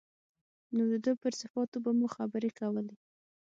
نو د ده پر صفاتو به مو خبرې کولې.